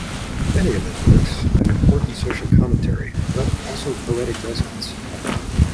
Many of his works have important social commentary but also poetic resonance.